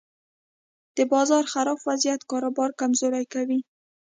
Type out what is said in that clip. د بازار خراب وضعیت کاروبار کمزوری کوي.